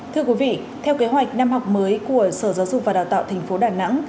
thưa quý vị theo kế hoạch năm học mới của sở giáo dục và đào tạo tp đà nẵng